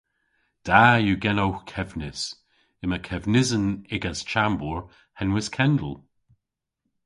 Da yw genowgh kevnis. Yma kevnisen y'gas chambour henwys Kendal.